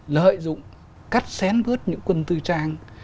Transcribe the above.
lợi dụng cắt xén bước những quân tư trang